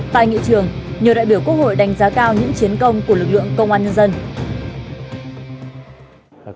tại nghị trường nhiều đại biểu quốc hội đánh giá cao những chiến công của lực lượng công an nhân dân